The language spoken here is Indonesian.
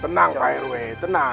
tenang pak rw tenang